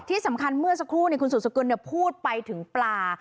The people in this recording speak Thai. ที่สำคัญเมื่อสักครู่คุณสุดสกุลพูดไปถึงปลา